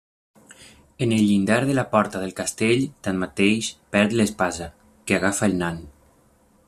En el llindar de la porta del castell, tanmateix, perd l'espasa, que agafa el nan.